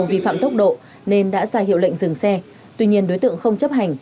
vi phạm tốc độ nên đã ra hiệu lệnh dừng xe tuy nhiên đối tượng không chấp hành